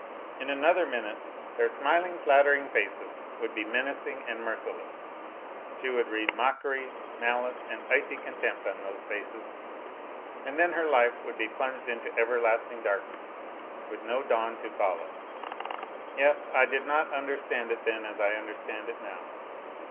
In another minute their smiling' flattering faces would be menacing and merciless. She would read mockery, A LITTLE HERO 263 malice and icy contempt on those faces, and then her life would be plunged in everlasting darkness, with no dawn to follow. .. Yes, I did not understand it then as I understand it now.